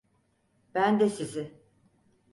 Ben de sizi.